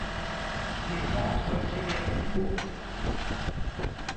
Les ventres criaient plus haut.